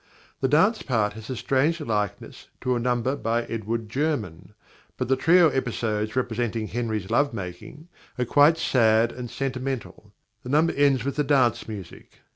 The dance part has a strange likeness to a number by Edward German, but the trio episodes representing Henry's love making are quite sad and sentimental. The number ends with the dance music.